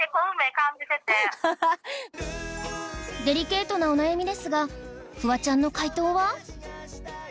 デリケートなお悩みですがフワちゃんの回答は？